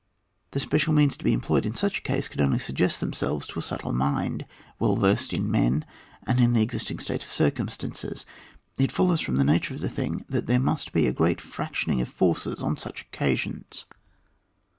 The special means to be employed in such a case can only suggest themselves to a subtil mind well versed in men and in the existing state of circumstances. It follows from the nature of the thing that there must be a great fractioning of forces on such occasions.